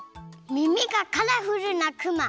みみがカラフルなクマ！